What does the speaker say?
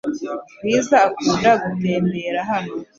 Bwiza akunda gutembera hano .